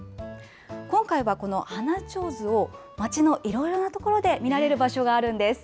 今回はこの花ちょうずを町のいろいろな所で見られる場所があるんです。